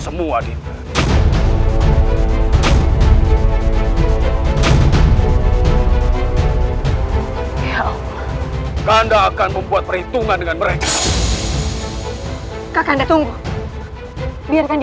aku tidak mau berurusan dengan wanita